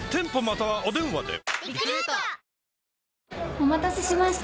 お待たせしました。